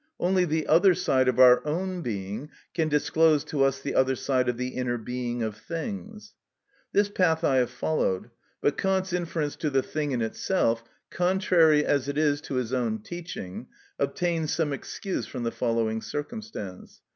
Only the other side of our own being can disclose to us the other side of the inner being of things. This path I have followed. But Kant's inference to the thing in itself, contrary as it is to his own teaching, obtains some excuse from the following circumstance.